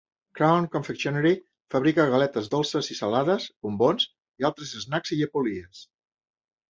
Crown Confectionery fabrica galetes dolces i salades, bombons i altres snacks i llepolies.